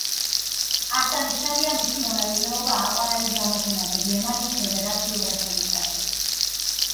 აღსანიშნავია მისი მონაწილეობა აკვარელის გამოფენაზე გერმანიის ფედერაციულ რესპუბლიკაში.